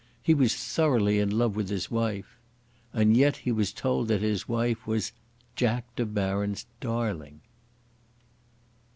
He was thoroughly in love with his wife. And yet he was told that his wife was "Jack De Baron's darling!"